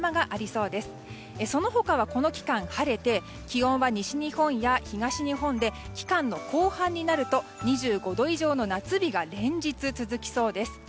その他はこの期間、晴れて気温は西日本や東日本で期間の後半になると２５度以上の夏日が連日続きそうです。